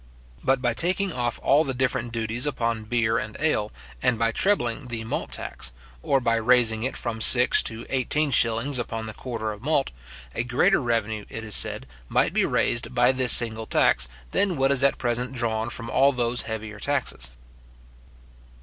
But by taking off all the different duties upon beer and ale, and by trebling the malt tax, or by raising it from six to eighteen shillings upon the quarter of malt, a greater revenue, it is said, might be raised by this single tax, than what is at present drawn from all those heavier taxes.